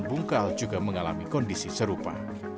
dan bungkal juga mengalami kondisi serupa